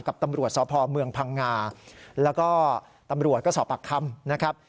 กับตำรวจสพเมืองพังงาแล้วก็ตำรวจก็สอบปากคำนะครับ